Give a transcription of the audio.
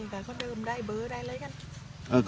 กดขอเรียก